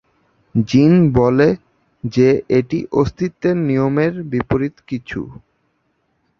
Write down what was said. জিন বলে যে এটি অস্তিত্বের নিয়মের বিপরীত কিছু।